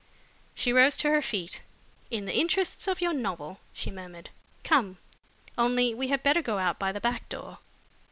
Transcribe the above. She rose to her feet. "In the interests of your novel!" she murmured. "Come! Only we had better go out by the back door."